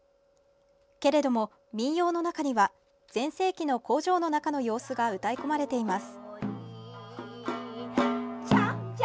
けれども民謡の中には全盛期の工場の中の様子が歌い込まれています。